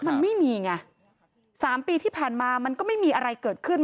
มันไม่มีไง๓ปีที่ผ่านมามันก็ไม่มีอะไรเกิดขึ้น